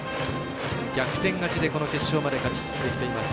逆転勝ちでこの決勝まで勝ち進んできています。